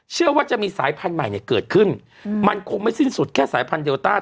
เชื่อว่าจะมีสายพันธุ์ใหม่เนี่ยเกิดขึ้นมันคงไม่สิ้นสุดแค่สายพันธุเดลต้า